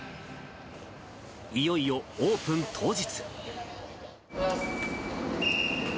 いよいよオープン当日。